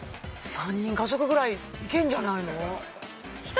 ３人家族ぐらいいけんじゃないの１人